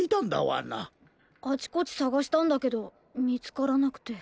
あちこちさがしたんだけどみつからなくて。